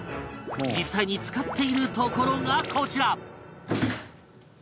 実際に使っているところがこちら